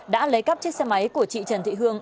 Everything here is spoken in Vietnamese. đã lấy cắp chiếc xe máy của chị trần thị hương